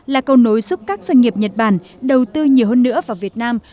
là cầu nối giúp các doanh nghiệp nhật bản đầu tư nhiều hơn nữa vào việt nam